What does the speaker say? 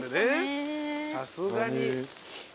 さすがに。